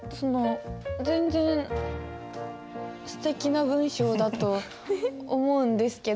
全然すてきな文章だと思うんですけど。